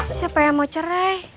siapa yang mau cerai